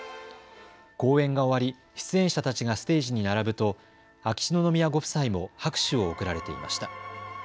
公演が終わり出演者たちがステージに並ぶと秋篠宮ご夫妻も拍手を送られていました。